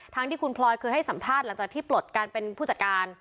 ที่คุณพลอยเคยให้สัมภาษณ์หลังจากที่ปลดการเป็นผู้จัดการ